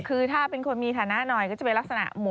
คือถ้าเป็นคนมีฐานะหน่อยก็จะเป็นลักษณะ